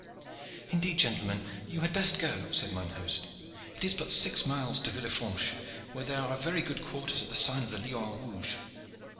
"Indeed, gentlemen, you had best go," said mine host. "It is but six miles to Villefranche, where there are very good quarters at the sign of the 'Lion Rouge.'"